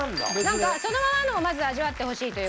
なんかそのままのをまず味わってほしいという事で。